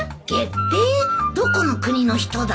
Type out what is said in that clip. どこの国の人だ？